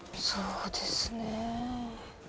そうですねえ。